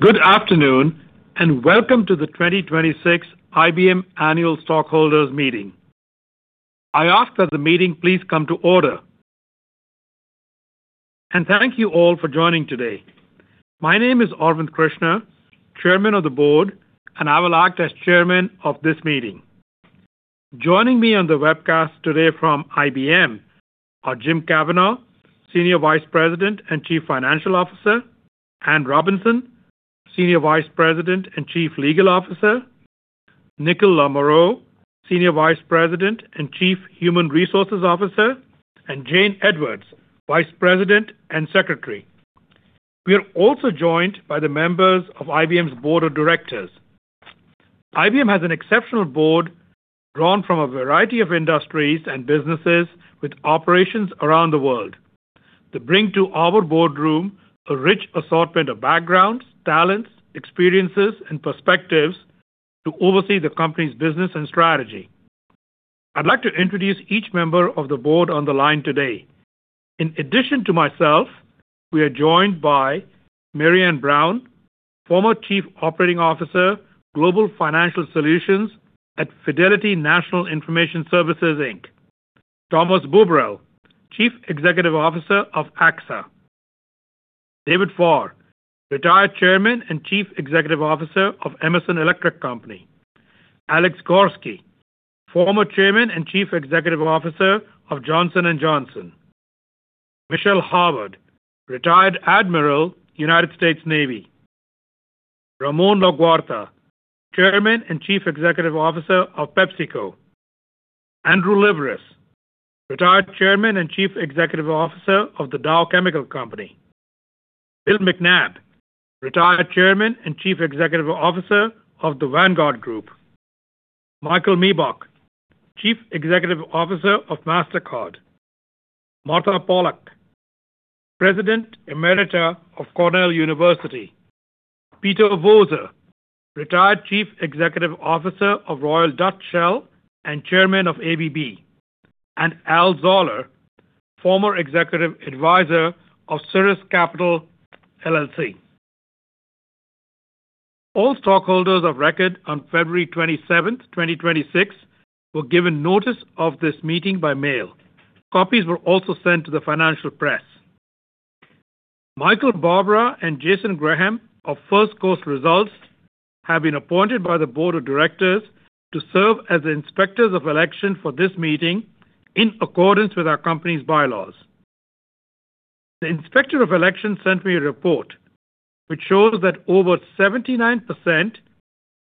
Good afternoon, welcome to the 2026 IBM Annual Stockholders Meeting. I ask that the meeting please come to order. Thank you all for joining today. My name is Arvind Krishna, Chairman of the Board, and I will act as chairman of this meeting. Joining me on the webcast today from IBM are Jim Kavanaugh, Senior Vice President and Chief Financial Officer, Anne Robinson, Senior Vice President and Chief Legal Officer, Nickle LaMoreaux, Senior Vice President and Chief Human Resources Officer, and Jane Edwards, Vice President and Secretary. We are also joined by the members of IBM's board of directors. IBM has an exceptional board drawn from a variety of industries and businesses with operations around the world. They bring to our boardroom a rich assortment of backgrounds, talents, experiences, and perspectives to oversee the company's business and strategy. I'd like to introduce each member of the board on the line today. In addition to myself, we are joined by Marianne Brown, former Chief Operating Officer, Global Financial Solutions at Fidelity National Information Services, Inc., Thomas Buberl, Chief Executive Officer of AXA, David Farr, retired Chairman and Chief Executive Officer of Emerson Electric Co., Alex Gorsky, former Chairman and Chief Executive Officer of Johnson & Johnson, Michelle Howard, retired Admiral, United States Navy, Ramon Laguarta, Chairman and Chief Executive Officer of PepsiCo, Andrew N. Liveris, retired Chairman and Chief Executive Officer of The Dow Chemical Company, William McNabb, retired Chairman and Chief Executive Officer of The Vanguard Group, Michael Miebach, Chief Executive Officer of Mastercard, Martha Pollack, President Emerita of Cornell University, Peter Voser, retired Chief Executive Officer of Shell plc and Chairman of ABB. And Alfred Zollar, former Executive Advisor of Siris Capital, LLC. All stockholders of record on 27 February, 2026 were given notice of this meeting by mail. Copies were also sent to the financial press. Michael Barbera and Jason Graham of First Coast Results, have been appointed by the board of directors to serve as the inspectors of election for this meeting in accordance with our company's bylaws. The inspector of elections sent me a report which shows that over 79%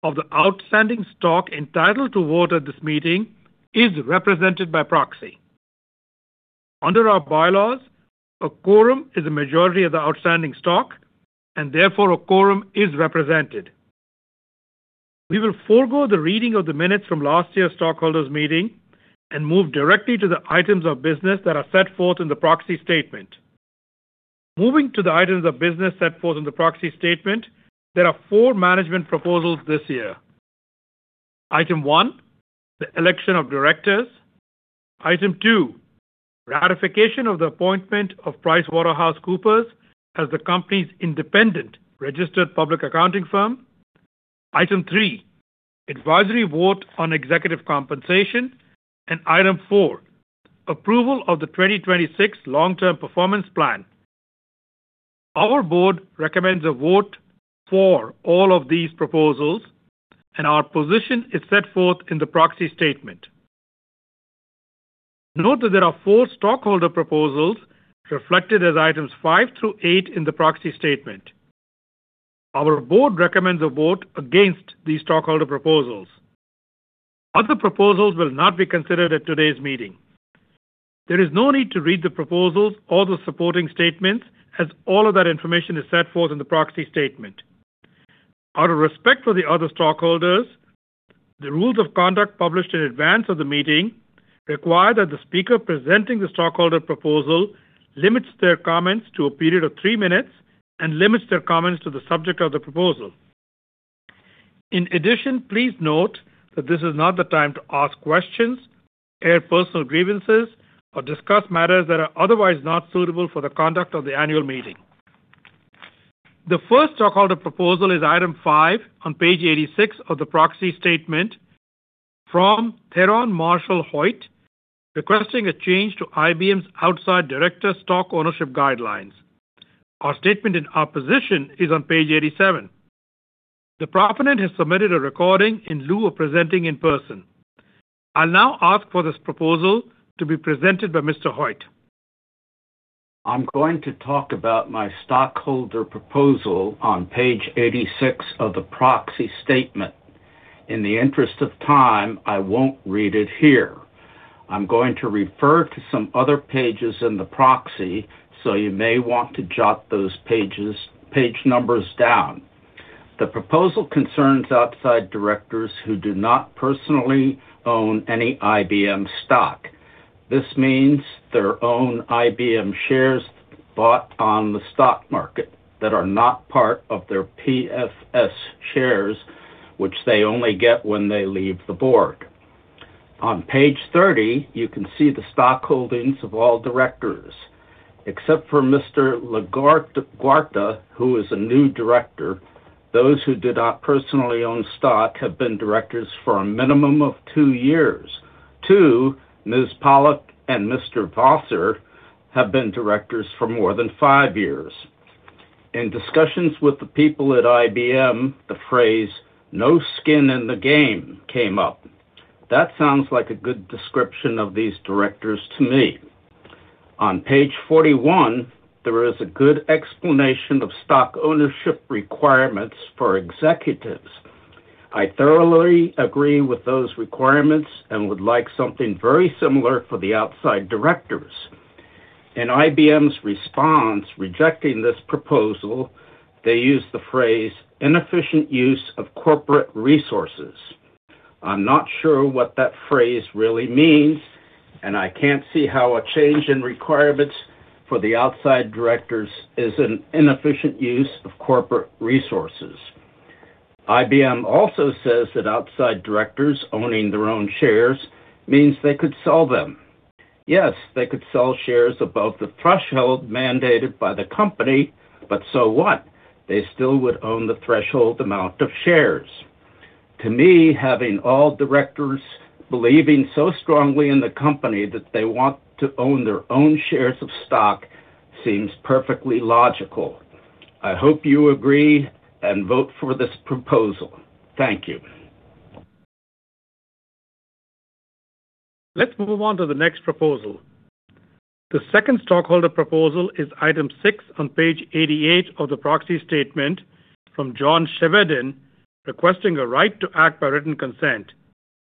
of the outstanding stock entitled to vote at this meeting is represented by proxy. Under our bylaws, a quorum is a majority of the outstanding stock, and therefore, a quorum is represented. We will forego the reading of the minutes from last year's stockholders meeting and move directly to the items of business that are set forth in the proxy statement. Moving to the items of business set forth in the proxy statement, there are four management proposals this year. Item one, the election of directors. Item two, ratification of the appointment of PricewaterhouseCoopers as the company's independent registered public accounting firm. Item three, advisory vote on executive compensation. Item four, approval of the 2026 long-term performance plan. Our board recommends a vote for all of these proposals, and our position is set forth in the proxy statement. Note that there are four stockholder proposals reflected as items five through eight in the proxy statement. Our board recommends a vote against these stockholder proposals. Other proposals will not be considered at today's meeting. There is no need to read the proposals or the supporting statements, as all of that information is set forth in the proxy statement. Out of respect for the other stockholders, the rules of conduct published in advance of the meeting require that the speaker presenting the stockholder proposal limits their comments to a period of three minutes and limits their comments to the subject of the proposal. In addition, please note that this is not the time to ask questions, air personal grievances, or discuss matters that are otherwise not suitable for the conduct of the annual meeting. The first stockholder proposal is item five on page 86 of the proxy statement from Terone Marshall Hoyt, requesting a change to IBM's outside director stock ownership guidelines. Our statement in our position is on page 87. The proponent has submitted a recording in lieu of presenting in person. I'll now ask for this proposal to be presented by Mr. Hoyt. I'm going to talk about my stockholder proposal on page 86 of the proxy statement. In the interest of time, I won't read it here. I'm going to refer to some other pages in the proxy, you may want to jot those pages, page numbers down. The proposal concerns outside directors who do not personally own any IBM stock. This means their own IBM shares bought on the stock market that are not part of their PSUs shares, which they only get when they leave the board. On page 30, you can see the stock holdings of all directors. Except for Mr. Laguarta, who is a new director, those who do not personally own stock have been directors for a minimum of two years. Two, Ms. Pollack and Mr. Voser, have been directors for more than five years. In discussions with the people at IBM, the phrase "no skin in the game" came up. That sounds like a good description of these directors to me. On page 41, there is a good explanation of stock ownership requirements for executives. I thoroughly agree with those requirements and would like something very similar for the outside directors. In IBM's response rejecting this proposal, they used the phrase "inefficient use of corporate resources." I'm not sure what that phrase really means, and I can't see how a change in requirements for the outside directors is an inefficient use of corporate resources. IBM also says that outside directors owning their own shares means they could sell them. Yes, they could sell shares above the threshold mandated by the company, but so what? They still would own the threshold amount of shares. To me, having all directors believing so strongly in the company that they want to own their own shares of stock seems perfectly logical. I hope you agree and vote for this proposal. Thank you. Let's move on to the next proposal. The second stockholder proposal is item six on page 88 of the proxy statement from John Chevedden, requesting a right to act by written consent.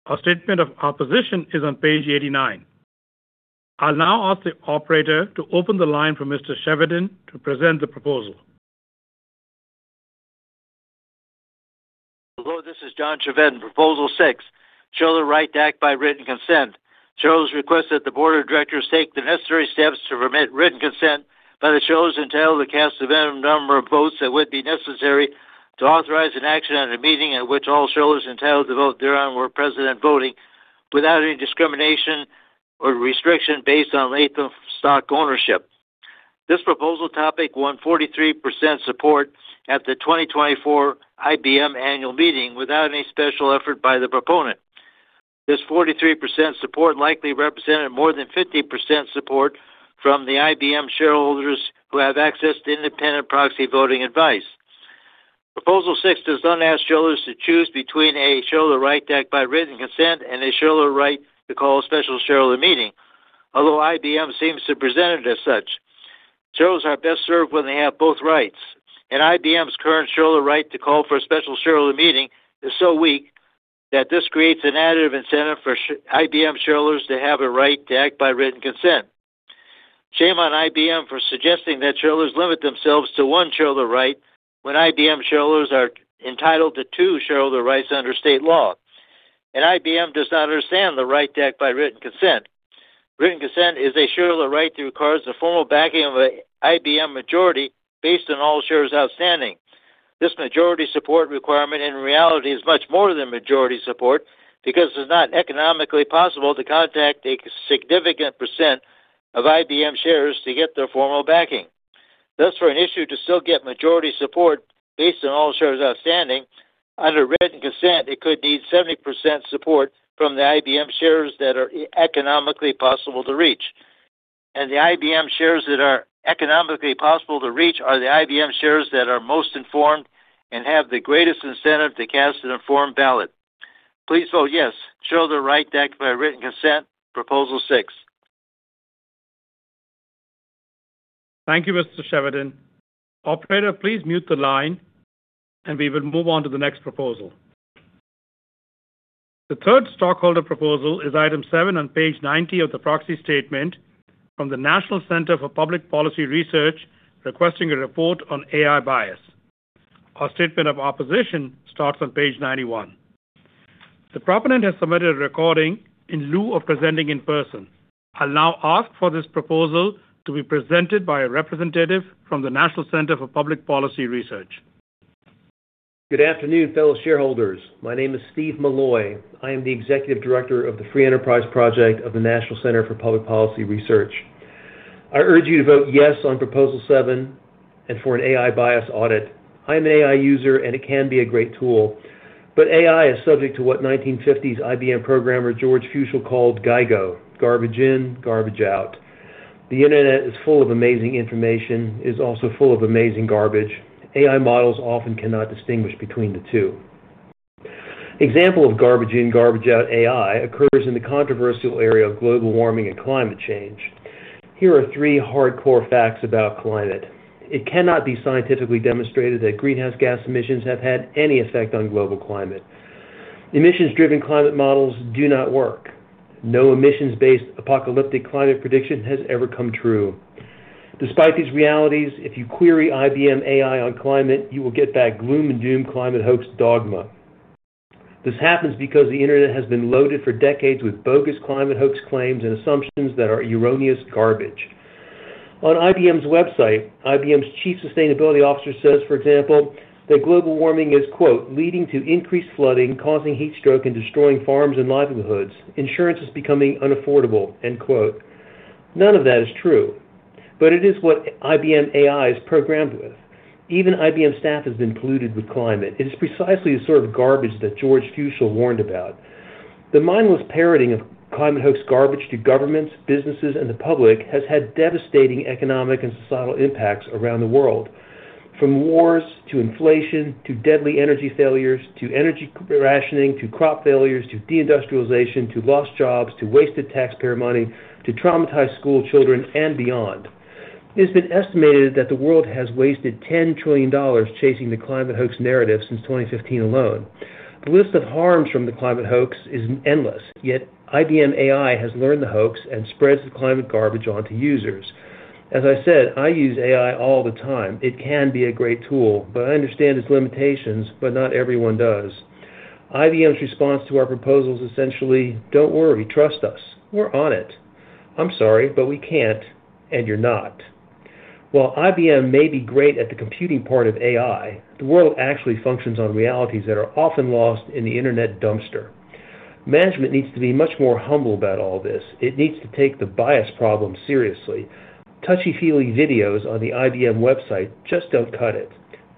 Our statement of opposition is on page 89. I'll now ask the operator to open the line for Mr. Chevedden to present the proposal. Hello, this is John Chevedden, Proposal six, shareholder right to act by written consent. Shareholders request that the board of directors take the necessary steps to permit written consent by the shareholders entitled to cast the minimum number of votes that would be necessary to authorize an action at a meeting at which all shareholders entitled to vote thereon were present and voting without any discrimination or restriction based on length of stock ownership. This proposal topic won 43% support at the 2024 IBM annual meeting without any special effort by the proponent. This 43% support likely represented more than 50% support from the IBM shareholders who have access to independent proxy voting advice. Proposal six does not ask shareholders to choose between a shareholder right to act by written consent and a shareholder right to call a special shareholder meeting. Although IBM seems to present it as such, shareholders are best served when they have both rights. IBM's current shareholder right to call for a special shareholder meeting is so weak that this creates an additive incentive for IBM shareholders to have a right to act by written consent. Shame on IBM for suggesting that shareholders limit themselves to one shareholder right when IBM shareholders are entitled to two shareholder rights under state law. IBM does not understand the right to act by written consent. Written consent is a shareholder right that requires the formal backing of a IBM majority based on all shares outstanding. This majority support requirement in reality is much more than majority support because it's not economically possible to contact a significant percent of IBM shares to get their formal backing. For an issue to still get majority support based on all shares outstanding, under written consent, it could need 70% support from the IBM shares that are economically possible to reach. The IBM shares that are economically possible to reach are the IBM shares that are most informed and have the greatest incentive to cast an informed ballot. Please vote yes. Shareholder right to act by written consent, proposal six. Thank you, Mr. Chevedden. Operator, please mute the line, and we will move on to the next proposal. The third stockholder proposal is item seven on page 90 of the proxy statement from the National Center for Public Policy Research, requesting a report on AI bias. Our statement of opposition starts on page 91. The proponent has submitted a recording in lieu of presenting in person. I will now ask for this proposal to be presented by a representative from the National Center for Public Policy Research. Good afternoon, fellow shareholders. My name is Steve Milloy. I am the executive director of the Free Enterprise Project of the National Center for Public Policy Research. I urge you to vote yes on proposal seven and for an AI bias audit. I'm an AI user, and it can be a great tool, but AI is subject to what 1950s IBM programmer George Fuechsel called GIGO, garbage in, garbage out. The internet is full of amazing information. It is also full of amazing garbage. AI models often cannot distinguish between the two. Example of garbage in, garbage out AI occurs in the controversial area of global warming and climate change. Here are three hardcore facts about climate. It cannot be scientifically demonstrated that greenhouse gas emissions have had any effect on global climate. Emissions-driven climate models do not work. No emissions-based apocalyptic climate prediction has ever come true. Despite these realities, if you query IBM AI on climate, you will get back gloom and doom climate hoax dogma. This happens because the internet has been loaded for decades with bogus climate hoax claims and assumptions that are erroneous garbage. On IBM's website, IBM's Chief Sustainability Officer says, for example, that global warming is, quote, "leading to increased flooding, causing heat stroke and destroying farms and livelihoods. Insurance is becoming unaffordable." End quote. None of that is true, but it is what IBM AI is programmed with. Even IBM staff has been polluted with climate. It is precisely the sort of garbage that George Fuechsel warned about. The mindless parroting of climate hoax garbage to governments, businesses, and the public has had devastating economic and societal impacts around the world, from wars to inflation to deadly energy failures to energy rationing to crop failures to de-industrialization to lost jobs to wasted taxpayer money to traumatized schoolchildren and beyond. It has been estimated that the world has wasted $10 trillion chasing the climate hoax narrative since 2015 alone. The list of harms from the climate hoax is endless. IBM AI has learned the hoax and spreads the climate garbage onto users. As I said, I use AI all the time. It can be a great tool, but I understand its limitations, but not everyone does. IBM's response to our proposals essentially, "Don't worry. Trust us. We're on it." I'm sorry, but we can't, and you're not. While IBM may be great at the computing part of AI, the world actually functions on realities that are often lost in the Internet dumpster. Management needs to be much more humble about all this. It needs to take the bias problem seriously. Touchy-feely videos on the IBM website just don't cut it.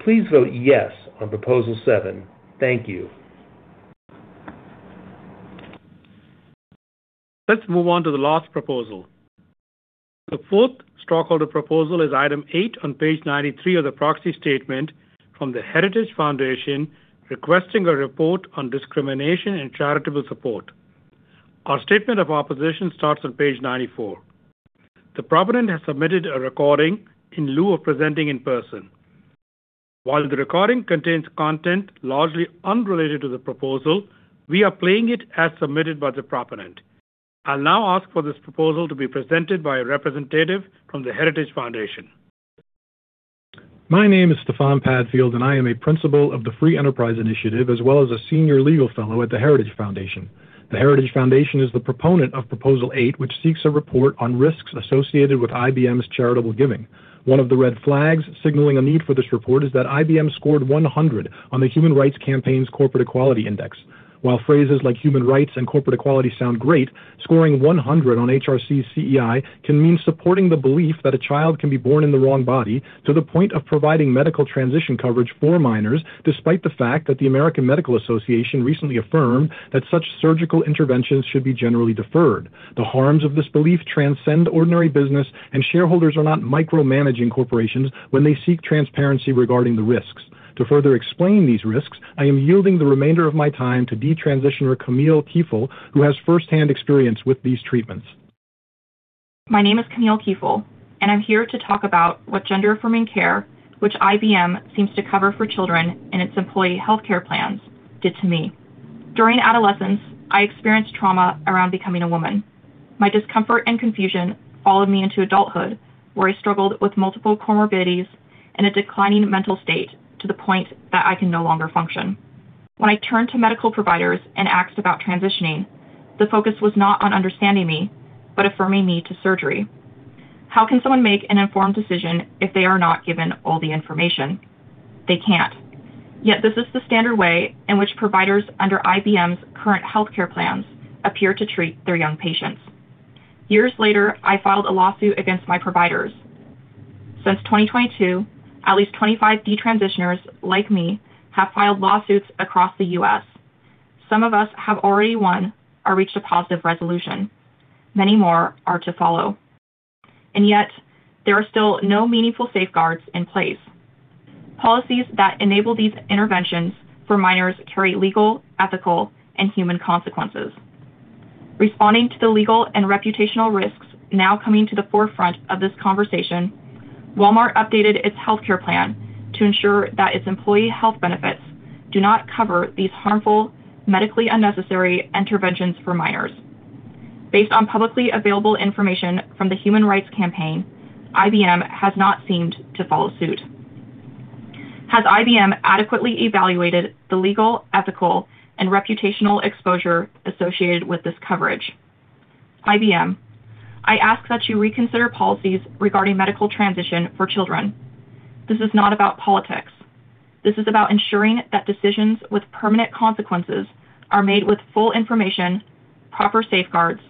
Please vote yes on proposal seven. Thank you. Let's move on to the last proposal. The fourth stockholder proposal is item eight on page 93 of the proxy statement from The Heritage Foundation requesting a report on discrimination and charitable support. Our statement of opposition starts on page 94. The proponent has submitted a recording in lieu of presenting in person. While the recording contains content largely unrelated to the proposal, we are playing it as submitted by the proponent. I'll now ask for this proposal to be presented by a representative from The Heritage Foundation. My name is Stefan Padfield. I am a principal of the Free Enterprise Initiative as well as a senior legal fellow at The Heritage Foundation. The Heritage Foundation is the proponent of Proposal eight, which seeks a report on risks associated with IBM's charitable giving. One of the red flags signaling a need for this report is that IBM scored 100 on the Human Rights Campaign's Corporate Equality Index. While phrases like human rights and corporate equality sound great, scoring 100 on HRC's CEI can mean supporting the belief that a child can be born in the wrong body to the point of providing medical transition coverage for minors, despite the fact that the American Medical Association recently affirmed that such surgical interventions should be generally deferred. The harms of this belief transcend ordinary business, and shareholders are not micromanaging corporations when they seek transparency regarding the risks. To further explain these risks, I am yielding the remainder of my time to detransitioner Camille Kiefel, who has firsthand experience with these treatments. My name is Camille Kiefel, and I'm here to talk about what gender-affirming care, which IBM seems to cover for children in its employee healthcare plans, did to me. During adolescence, I experienced trauma around becoming a woman. My discomfort and confusion followed me into adulthood, where I struggled with multiple comorbidities and a declining mental state to the point that I can no longer function. When I turned to medical providers and asked about transitioning, the focus was not on understanding me but affirming me to surgery. How can someone make an informed decision if they are not given all the information? They can't. This is the standard way in which providers under IBM's current healthcare plans appear to treat their young patients. Years later, I filed a lawsuit against my providers. Since 2022, at least 25 detransitioners like me have filed lawsuits across the US. Some of us have already won or reached a positive resolution. Many more are to follow. Yet there are still no meaningful safeguards in place. Policies that enable these interventions for minors carry legal, ethical, and human consequences. Responding to the legal and reputational risks now coming to the forefront of this conversation, Walmart updated its healthcare plan to ensure that its employee health benefits do not cover these harmful, medically unnecessary interventions for minors. Based on publicly available information from the Human Rights Campaign, IBM has not seemed to follow suit. Has IBM adequately evaluated the legal, ethical, and reputational exposure associated with this coverage? IBM, I ask that you reconsider policies regarding medical transition for children. This is not about politics. This is about ensuring that decisions with permanent consequences are made with full information, proper safeguards,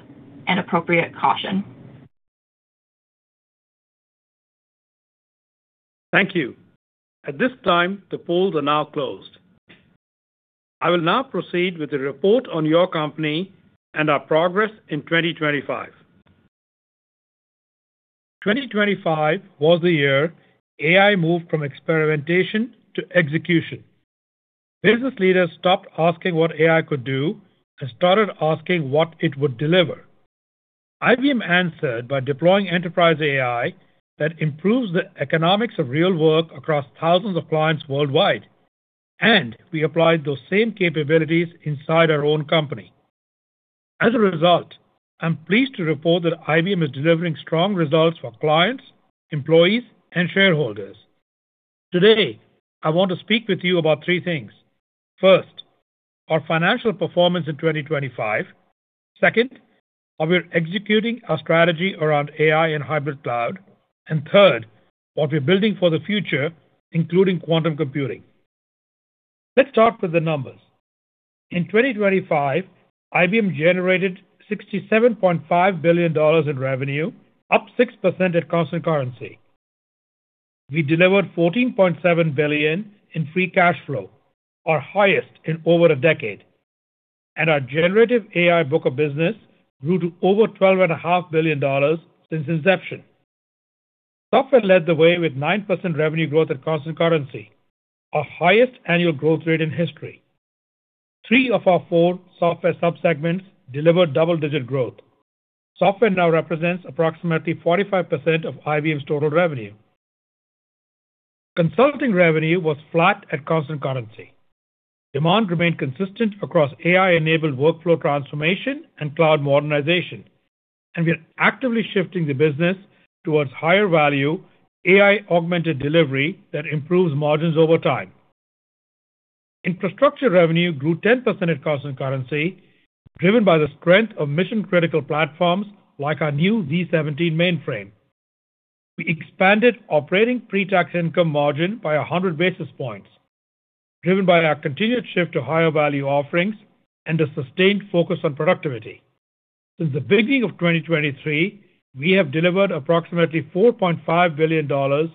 and appropriate caution. Thank you. At this time, the polls are now closed. I will now proceed with the report on your company and our progress in 2025. 2025 was the year AI moved from experimentation to execution. Business leaders stopped asking what AI could do and started asking what it would deliver. IBM answered by deploying enterprise AI that improves the economics of real work across thousands of clients worldwide. We applied those same capabilities inside our own company. As a result, I'm pleased to report that IBM is delivering strong results for clients, employees, and shareholders. Today, I want to speak with you about three things. First, our financial performance in 2025. Second, how we're executing our strategy around AI and hybrid cloud. Third, what we're building for the future, including quantum computing. Let's start with the numbers. In 2025, IBM generated $67.5 billion in revenue, up 6% at constant currency. We delivered $14.7 billion in free cash flow, our highest in over a decade, and our generative AI book of business grew to over twelve and a half billion dollars since inception. Software led the way with 9% revenue growth at constant currency, our highest annual growth rate in history. three of our four software sub-segments delivered double-digit growth. Software now represents approximately 45% of IBM's total revenue. Consulting revenue was flat at constant currency. Demand remained consistent across AI-enabled workflow transformation and cloud modernization, and we are actively shifting the business towards higher-value AI-augmented delivery that improves margins over time. Infrastructure revenue grew 10% at constant currency, driven by the strength of mission-critical platforms like our new z17 mainframe. We expanded operating pre-tax income margin by 100 basis points, driven by our continued shift to higher-value offerings and a sustained focus on productivity. Since the beginning of 2023, we have delivered approximately $4.5 billion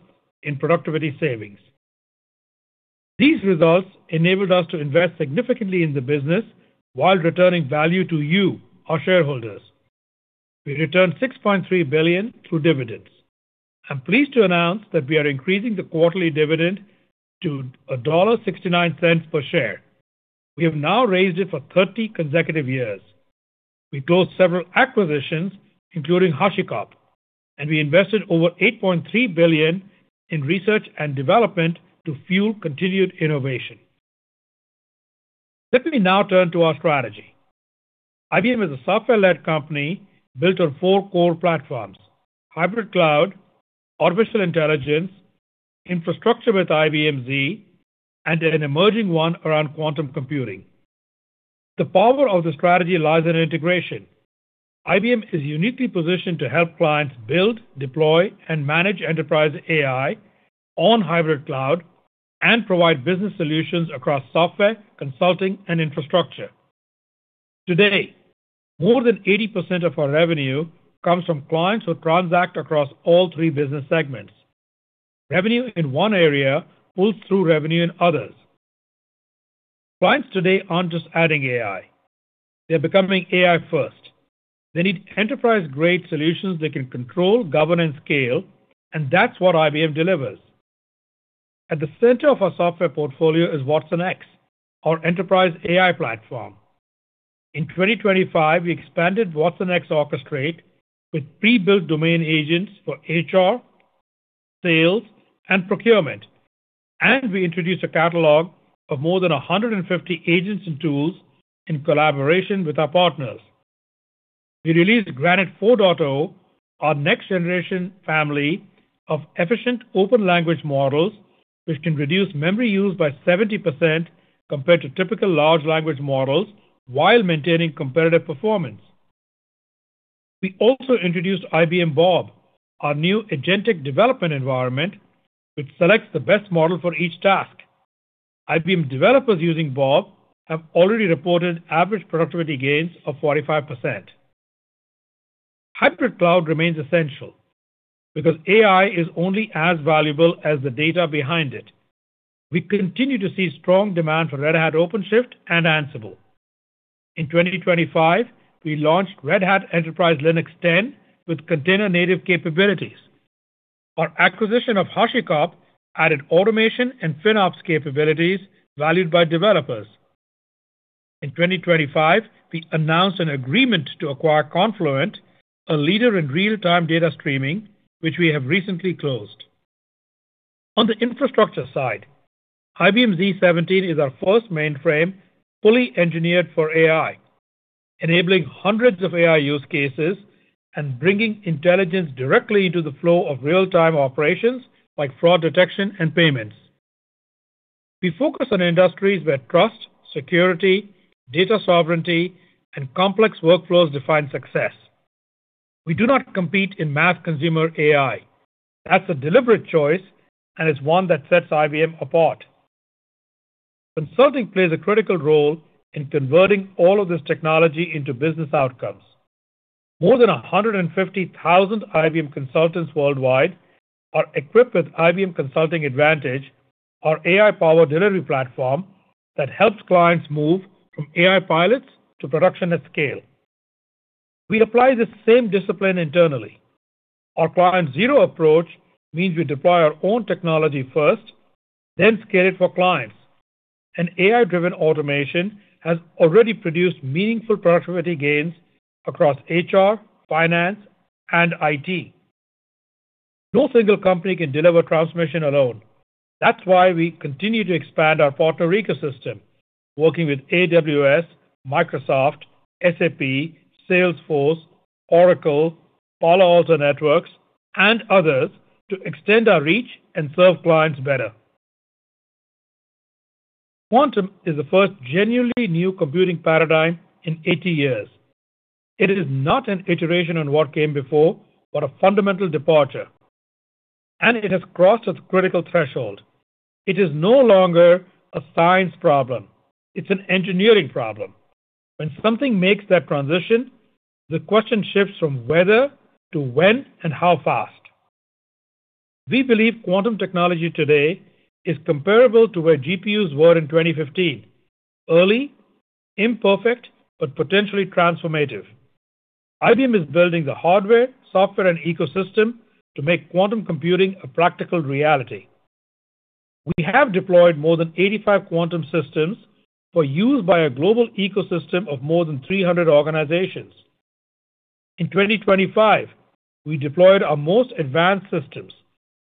in productivity savings. These results enabled us to invest significantly in the business while returning value to you, our shareholders. We returned $6.3 billion through dividends. I'm pleased to announce that we are increasing the quarterly dividend to $1.69 per share. We have now raised it for 30 consecutive years. We closed several acquisitions, including HashiCorp, and we invested over $8.3 billion in research and development to fuel continued innovation. Let me now turn to our strategy. IBM is a software-led company built on four core platforms: hybrid cloud, artificial intelligence, infrastructure with IBM Z, and an emerging one around quantum computing. The power of the strategy lies in integration. IBM is uniquely positioned to help clients build, deploy, and manage enterprise AI on hybrid cloud and provide business solutions across software, consulting, and infrastructure. Today, more than 80% of our revenue comes from clients who transact across all three business segments. Revenue in one area pulls through revenue in others. Clients today aren't just adding AI, they're becoming AI first. They need enterprise-grade solutions they can control, govern, and scale, and that's what IBM delivers. At the center of our software portfolio is watsonx, our enterprise AI platform. In 2025, we expanded watsonx Orchestrate with pre-built domain agents for HR, sales, and procurement, and we introduced a catalog of more than 150 agents and tools in collaboration with our partners. We released Granite 4.0, our next generation family of efficient open language models, which can reduce memory use by 70% compared to typical large language models while maintaining competitive performance. We also introduced IBM Bob, our new agentic development environment, which selects the best model for each task. IBM developers using Bob have already reported average productivity gains of 45%. Hybrid cloud remains essential because AI is only as valuable as the data behind it. We continue to see strong demand for Red Hat OpenShift and Ansible. In 2025, we launched Red Hat Enterprise Linux 10 with container-native capabilities. Our acquisition of HashiCorp added automation and FinOps capabilities valued by developers. In 2025, we announced an agreement to acquire Confluent, a leader in real-time data streaming, which we have recently closed. On the infrastructure side, IBM z17 is our first mainframe fully engineered for AI, enabling hundreds of AI use cases and bringing intelligence directly into the flow of real-time operations like fraud detection and payments. We focus on industries where trust, security, data sovereignty, and complex workflows define success. That's a deliberate choice, it's one that sets IBM apart. Consulting plays a critical role in converting all of this technology into business outcomes. More than 150,000 IBM consultants worldwide are equipped with IBM Consulting Advantage, our AI-powered delivery platform that helps clients move from AI pilots to production at scale. We apply the same discipline internally. Our Client Zero approach means we deploy our own technology first, scale it for clients. AI-driven automation has already produced meaningful productivity gains across HR, finance, and IT. No single company can deliver transformation alone. That's why we continue to expand our partner ecosystem. Working with AWS, Microsoft, SAP, Salesforce, Oracle, Palo Alto Networks, and others to extend our reach and serve clients better. Quantum is the first genuinely new computing paradigm in 80 years. It is not an iteration on what came before, but a fundamental departure, and it has crossed its critical threshold. It is no longer a science problem; it's an engineering problem. When something makes that transition, the question shifts from whether to when and how fast. We believe quantum technology today is comparable to where GPUs were in 2015: early, imperfect, but potentially transformative. IBM is building the hardware, software, and ecosystem to make quantum computing a practical reality. We have deployed more than 85 quantum systems for use by a global ecosystem of more than 300 organizations. In 2025, we deployed our most advanced systems,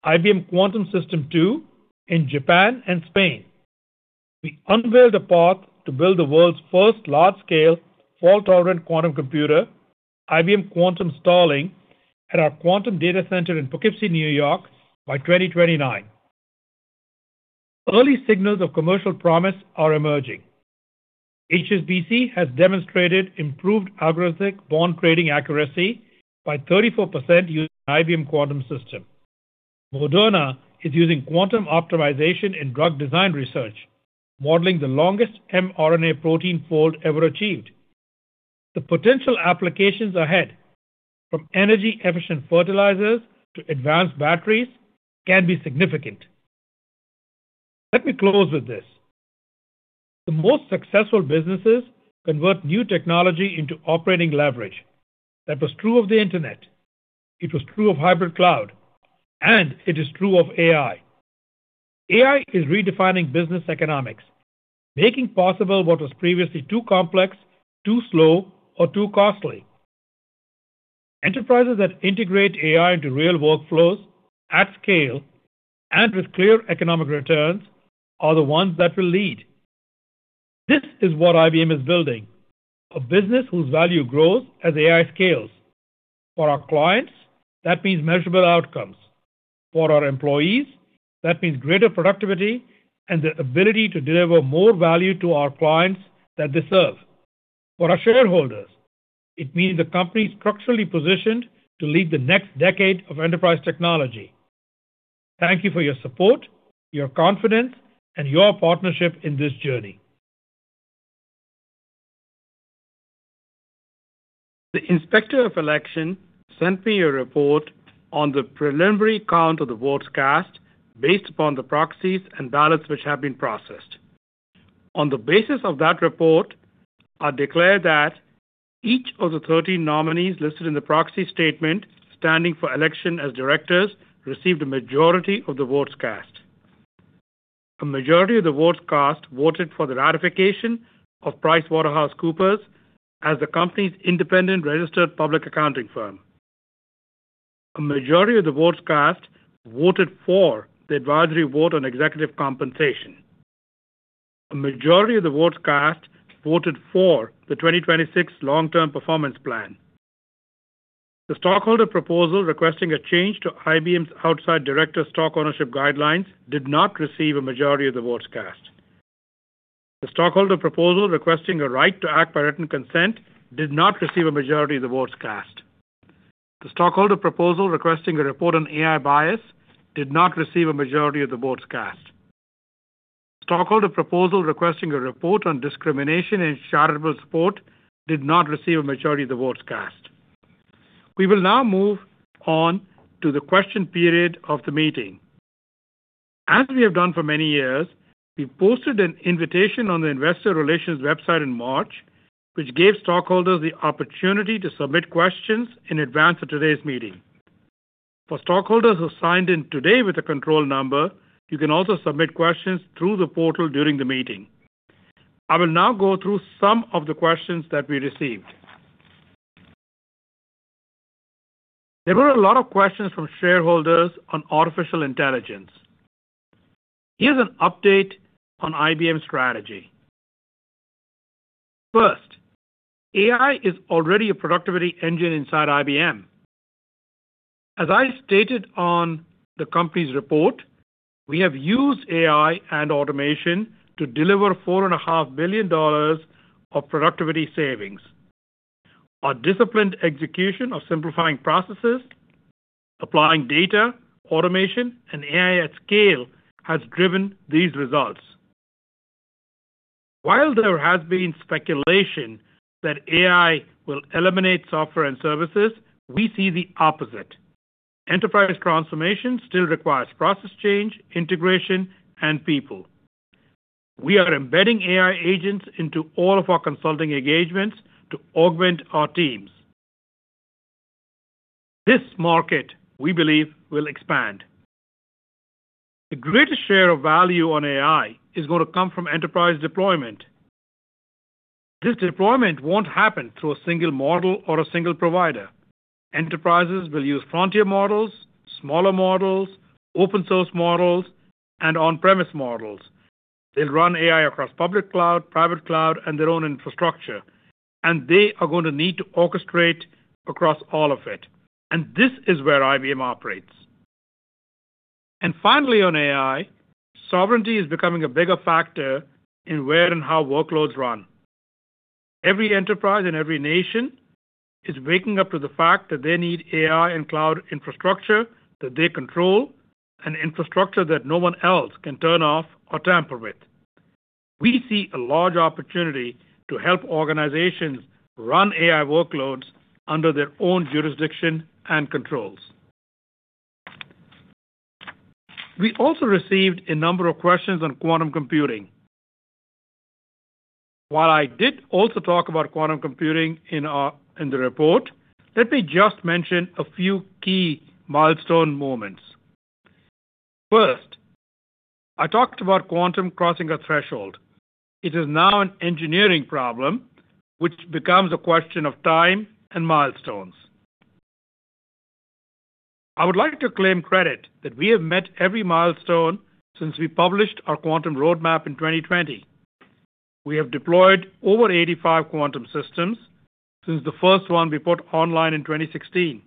IBM Quantum System Two, in Japan and Spain. We unveiled a path to build the world's first large-scale, fault-tolerant quantum computer, IBM Quantum Starling, at our quantum data center in Poughkeepsie, New York, by 2029. Early signals of commercial promise are emerging. HSBC has demonstrated improved algorithmic bond trading accuracy by 34% using IBM Quantum System. Moderna is using quantum optimization in drug design research, modeling the longest mRNA protein fold ever achieved. The potential applications ahead, from energy-efficient fertilizers to advanced batteries, can be significant. Let me close with this. The most successful businesses convert new technology into operating leverage. That was true of the internet. It was true of hybrid cloud, and it is true of AI. AI is redefining business economics, making possible what was previously too complex, too slow, or too costly. Enterprises that integrate AI into real workflows at scale and with clear economic returns are the ones that will lead. This is what IBM is building, a business whose value grows as AI scales. For our clients, that means measurable outcomes. For our employees, that means greater productivity and the ability to deliver more value to our clients that they serve. For our shareholders, it means the company is structurally positioned to lead the next decade of enterprise technology. Thank you for your support, your confidence, and your partnership in this journey. The Inspector of Election sent me a report on the preliminary count of the votes cast based upon the proxies and ballots which have been processed. On the basis of that report, I declare that each of the 13 nominees listed in the proxy statement standing for election as directors received a majority of the votes cast. A majority of the votes cast voted for the ratification of PricewaterhouseCoopers as the company's independent registered public accounting firm. A majority of the votes cast voted for the advisory vote on executive compensation. A majority of the votes cast voted for the 2026 long-term performance plan. The stockholder proposal requesting a change to IBM's outside director stock ownership guidelines did not receive a majority of the votes cast. The stockholder proposal requesting a right to act by written consent did not receive a majority of the votes cast. The stockholder proposal requesting a report on AI bias did not receive a majority of the votes cast. The stockholder proposal requesting a report on discrimination in charitable support did not receive a majority of the votes cast. We will now move on to the question period of the meeting. As we have done for many years, we posted an invitation on the investor relations website in March, which gave stockholders the opportunity to submit questions in advance of today's meeting. For stockholders who signed in today with a control number, you can also submit questions through the portal during the meeting. I will now go through some of the questions that we received. There were a lot of questions from shareholders on artificial intelligence. Here's an update on IBM's strategy. First, AI is already a productivity engine inside IBM. As I stated on the company's report, we have used AI and automation to deliver four and a half billion dollars of productivity savings. Our disciplined execution of simplifying processes, applying data, automation, and AI at scale has driven these results. While there has been speculation that AI will eliminate software and services, we see the opposite. Enterprise transformation still requires process change, integration, and people. We are embedding AI agents into all of our consulting engagements to augment our teams. This market, we believe, will expand. The greatest share of value on AI is going to come from enterprise deployment. This deployment won't happen through a single model or a single provider. Enterprises will use frontier models, smaller models, open source models, and on-premise models. They'll run AI across public cloud, private cloud, and their own infrastructure, and they are going to need to orchestrate across all of it. This is where IBM operates. Finally, on AI, sovereignty is becoming a bigger factor in where and how workloads run. Every enterprise and every nation is waking up to the fact that they need AI and cloud infrastructure that they control, and infrastructure that no one else can turn off or tamper with. We see a large opportunity to help organizations run AI workloads under their own jurisdiction and controls. We also received a number of questions on quantum computing. While I did also talk about quantum computing in the report, let me just mention a few key milestone moments. First, I talked about quantum crossing a threshold. It is now an engineering problem, which becomes a question of time and milestones. I would like to claim credit that we have met every milestone since we published our quantum roadmap in 2020. We have deployed over 85 quantum systems since the first one we put online in 2016.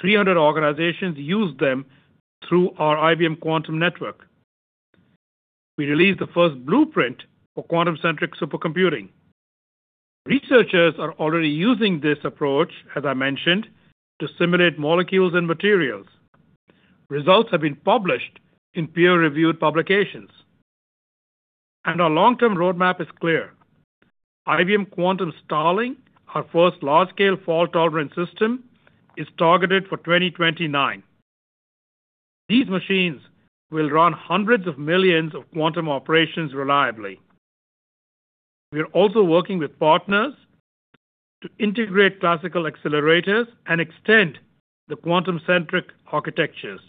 300 organizations use them through our IBM Quantum Network. We released the first blueprint for quantum-centric supercomputing. Researchers are already using this approach, as I mentioned, to simulate molecules and materials. Results have been published in peer-reviewed publications. Our long-term roadmap is clear: IBM Quantum Starling, our first large-scale fault-tolerant system, is targeted for 2029. These machines will run hundreds of millions of quantum operations reliably. We are also working with partners to integrate classical accelerators and extend the quantum-centric architectures.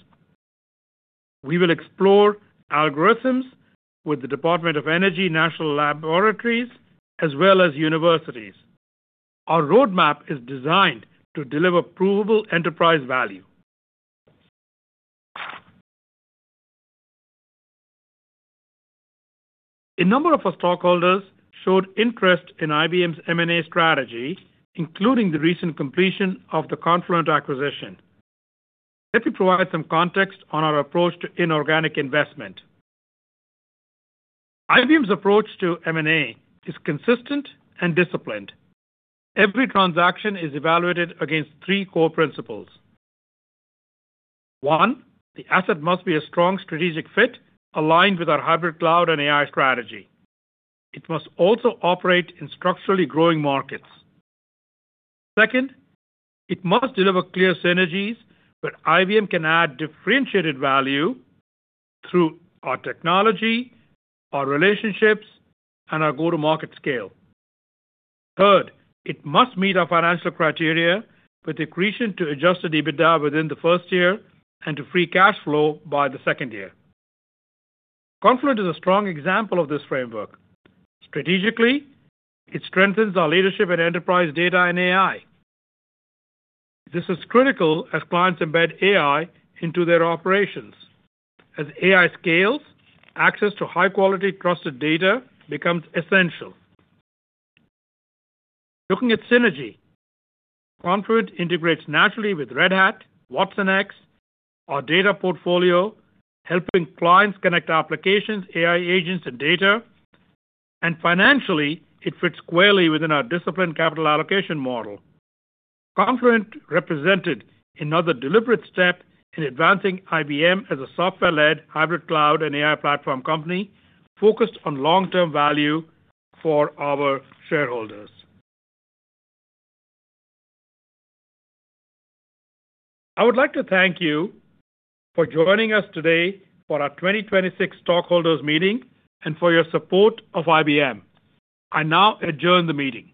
We will explore algorithms with the Department of Energy National Laboratories, as well as universities. Our roadmap is designed to deliver provable enterprise value. A number of our stockholders showed interest in IBM's M&A strategy, including the recent completion of the Confluent acquisition. Let me provide some context on our approach to inorganic investment. IBM's approach to M&A is consistent and disciplined. Every transaction is evaluated against three core principles. One, the asset must be a strong strategic fit aligned with our hybrid cloud and AI strategy. It must also operate in structurally growing markets. It must deliver clear synergies where IBM can add differentiated value through our technology, our relationships, and our go-to-market scale. It must meet our financial criteria with accretion to adjusted EBITDA within the first year and to free cash flow by the second year. Confluent is a strong example of this framework. Strategically, it strengthens our leadership in enterprise data and AI. This is critical as clients embed AI into their operations. As AI scales, access to high-quality trusted data becomes essential. Looking at synergy, Confluent integrates naturally with Red Hat, watsonx, our data portfolio, helping clients connect applications, AI agents, and data. Financially, it fits squarely within our disciplined capital allocation model. Confluent represented another deliberate step in advancing IBM as a software-led hybrid cloud and AI platform company focused on long-term value for our shareholders. I would like to thank you for joining us today for our 2026 stockholders meeting and for your support of IBM. I now adjourn the meeting.